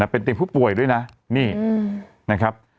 เป็นเตียงผู้ป่วยด้วยนะนี่นะครับ